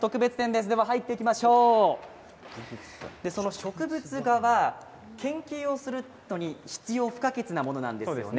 植物画は研究をする時に必要不可欠なものなんですね。